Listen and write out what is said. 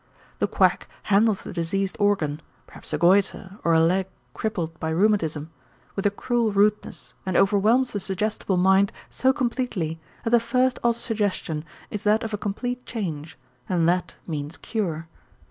The quack handles the diseased organ, perhaps a goiter or a leg crippled by rheumatism, with a cruel rudeness and overwhelms the suggestible mind so completely that the first autosuggestion is that of a complete change, and that means cure.